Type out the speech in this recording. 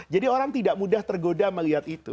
jadi orang tidak mudah tergoda melihat itu